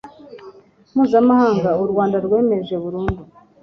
mpuzamahanga u Rwanda rwemeje burundu